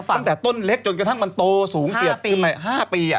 ตั้งแต่ต้นเล็กจนกระทั่งมันโตสูงเสียดขึ้นมา๕ปี